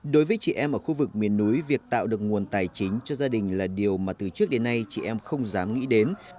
đối với chị em ở khu vực miền núi việc tạo được nguồn tài chính cho gia đình là điều mà từ trước đến nay chị em không dám nghĩ đến